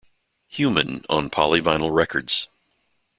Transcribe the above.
Human on Polyvinyl Records.